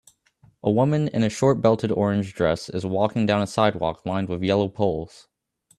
A woman in a short belted orange dress is walking down a sidewalk lined with yellow poles